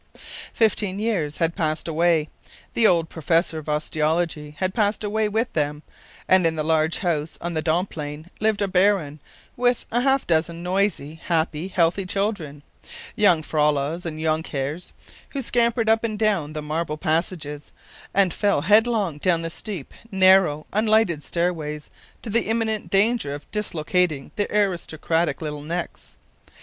Fifteen years had passed away; the old professor of osteology had passed away with them; and in the large house on the Domplein lived a baron, with half a dozen noisy, happy, healthy children, young fraulas and jonkheers, who scampered up and down the marble passages, and fell headlong down the steep, narrow, unlighted stairways, to the imminent danger of dislocating their aristocratic little necks.